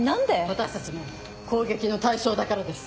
私たちも攻撃の対象だからです。